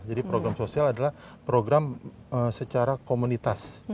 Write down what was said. jadi program sosial adalah program secara komunitas